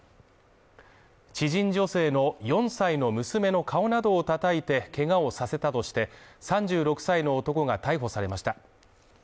知人女性の４歳の娘の顔などをたたいてけがをさせたとして３６歳の男が逮捕されました。